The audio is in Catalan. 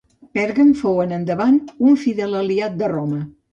Pèrgam fou en endavant un fidel aliat de Roma.